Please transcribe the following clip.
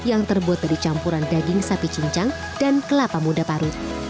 atau daging sapi cincang dan kelapa muda parut